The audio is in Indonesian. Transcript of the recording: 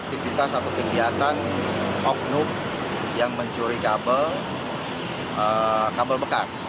kulit kabel atau limbah dari aktivitas atau kegiatan of noob yang mencuri kabel kabel bekas